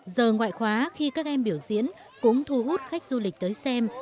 giờ ngoại khóa khi các em biểu diễn cũng thu hút khách du lịch tới xem